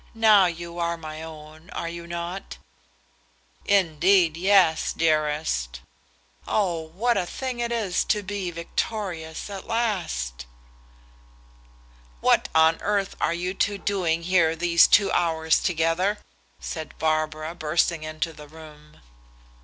Now you are my own, are you not?" "Indeed yes, dearest." "Oh, what a thing it is to be victorious at last." "What on earth are you two doing here these two hours together?" said Barbara, bursting into the room.